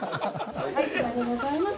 こちらでございます。